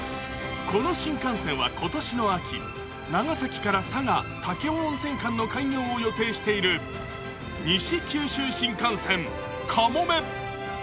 この新幹線は今年の秋、長崎から佐賀・武雄温泉間の開業を予定している西九州新幹線かもめ。